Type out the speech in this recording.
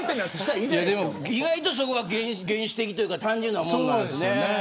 意外とそこは原始的というか単純なんですね。